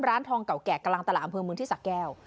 ร้านทองเก่าแก่กลางตลาดอำเภอเมืองที่สะแก้ว